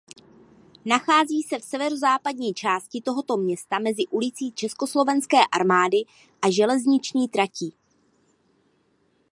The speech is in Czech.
Nachází se v severozápadní části tohoto města mezi ulicí Československé armády a železniční tratí.